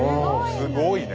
すごいね。